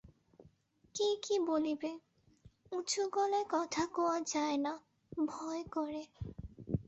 কে কি বলিবে, উঁচু গলায় কথা কওয়া যায় না, ভয় করে।